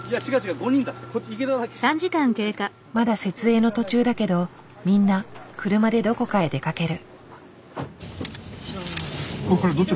まだ設営の途中だけどみんな車でどこかへ出かける。